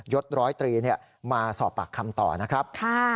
ศร้อยตรีมาสอบปากคำต่อนะครับ